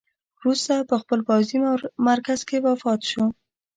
وروسته په خپل پوځي مرکز کې وفات شو.